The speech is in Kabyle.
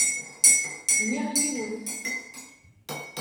Bniɣ yiwet.